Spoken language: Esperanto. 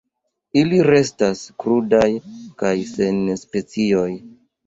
Ili restas krudaj kaj sen spicoj.